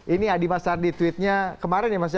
ini adi mas ardi tweetnya kemarin ya mas ya